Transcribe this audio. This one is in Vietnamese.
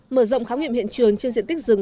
mở rộng khám nghiệm hiện trường trên diện tích rừng